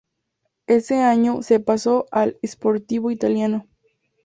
Ese año se pasó al Sportivo Italiano.